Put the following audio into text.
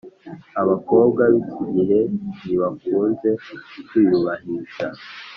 abakobwa bikigihe ntibakunze kwiyubahisha